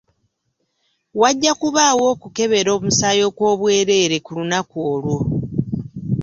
Wajja kubaawo okukebera omusaayi okw'obwereere ku lunaku olwo.